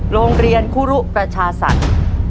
โรงเรียนคู่รุประชาศัตริย์